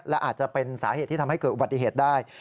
และอาจจะเป็นสาเหตุที่ทำให้เกิดอุบัติเหตุได้